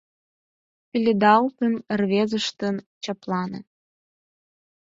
Пеледалтын, рвезештын чаплане